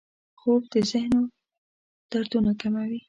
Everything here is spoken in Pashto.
خوب د ذهنو دردونه کموي